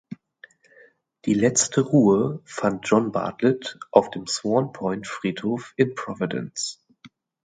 Die letzte Ruhe fand John Bartlett auf dem Swan Point Friedhof in Providence.